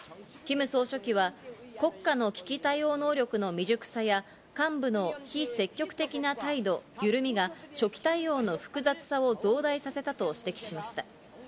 キム総書記は国家の危機対応能力の未熟さや幹部の非積極的な態度や緩みが初期対応の複雑さを増大させたと指摘しました。